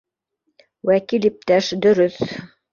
— Вәкил иптәш, дө-рө-өҫ